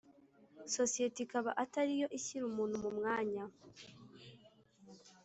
sosiyete ikaba atari yo ishyira umuntu mu mwanya